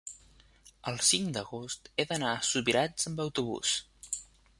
el cinc d'agost he d'anar a Subirats amb autobús.